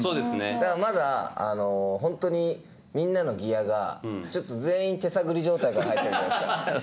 だからまだホントにみんなのギアがちょっと全員手探り状態から入ってるじゃないですか。